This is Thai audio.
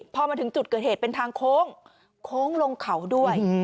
พอมาถึงจุดเกิดเหตุเป็นทางโค้งโค้งลงเขาด้วย